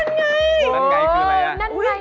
นั่นไง